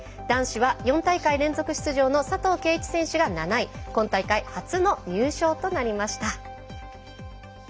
男子は４大会連続出場の佐藤圭一選手が７位今大会初の入賞となりました。